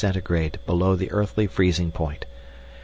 below the earthly freezing point.